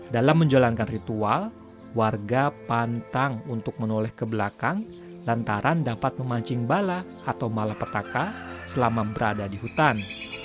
dalam menjalankan ritual warga pantang untuk menoleh ke belakang lantaran dapat memancing bala atau malapetaka selama berada di hutan